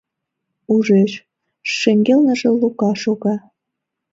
Ужеш: шеҥгелныже Лука шога.